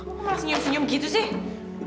kamu malah senyum senyum gitu sih